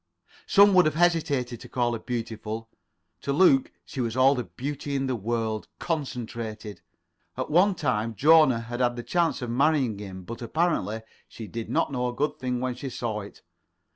Some would have hesitated to call her beautiful. To Luke she was all the beauty in the world. Concentrated. At one time Jona had had the chance of marrying him, but apparently she did not know a good thing when she saw it.